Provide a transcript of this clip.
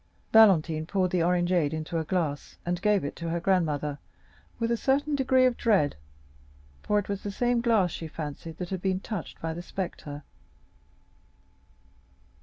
Valentine poured the orangeade into a glass and gave it to her grandmother with a certain degree of dread, for it was the same glass she fancied that had been touched by the spectre.